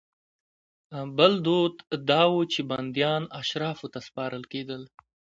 بل دود دا و چې بندیان اشرافو ته سپارل کېدل.